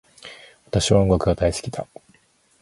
私は音楽が大好きだ